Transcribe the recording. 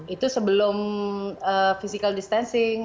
itu sebelum physical distancing